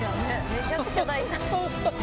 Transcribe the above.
めちゃくちゃ大胆。